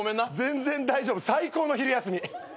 全然大丈夫最高の昼休み。